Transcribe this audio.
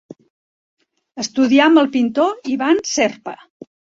Estudià amb el pintor Ivan Serpa.